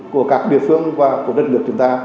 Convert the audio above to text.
của các địa phương và của đất nước chúng ta